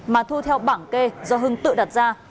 mà thu theo bảng kê do hưng tự đặt ra